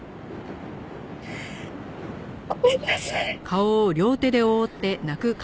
ごめんなさい！